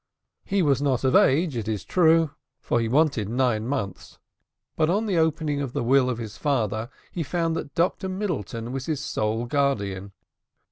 He was not of age, it is true, for he wanted nine months; but on opening the will of his father, he found that Dr Middleton was his sole guardian.